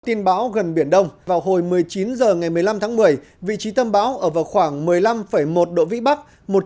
tin bão gần biển đông vào hồi một mươi chín h ngày một mươi năm tháng một mươi vị trí tâm bão ở vào khoảng một mươi năm một độ vĩ bắc